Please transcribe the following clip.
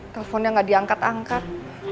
teleponnya gak diangkat angkat